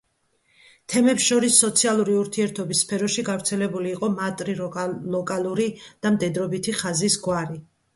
თემებს შორის სოციალური ურთიერთობის სფეროში გავრცელებული იყო მატრილოკალური და მდედრობითი ხაზის გვარი.